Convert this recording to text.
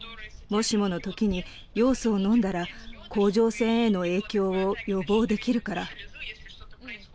もしものときにヨウ素を飲んだら、甲状腺への影響を予防できるから。